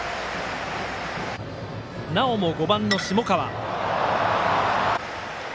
なおも、５番の下川。